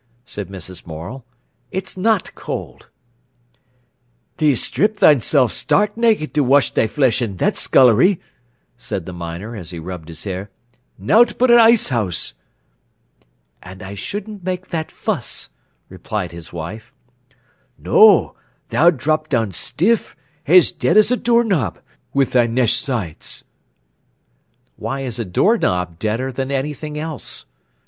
said Mrs. Morel. "It's not cold." "Thee strip thysen stark nak'd to wesh thy flesh i' that scullery," said the miner, as he rubbed his hair; "nowt b'r a ice 'ouse!" "And I shouldn't make that fuss," replied his wife. "No, tha'd drop down stiff, as dead as a door knob, wi' thy nesh sides." "Why is a door knob deader than anything else?"